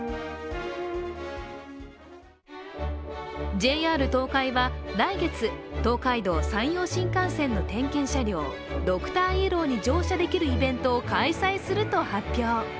ＪＲ東海は来月、東海道・山陽新幹線の点検車両ドクターイエローに乗車できるイベントを開催すると発表。